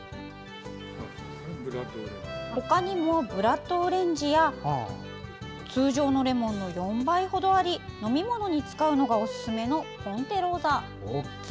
ほかにもブラッドオレンジや通常のレモンの４倍ほどあり飲み物に使うのがおすすめのポンテローザ。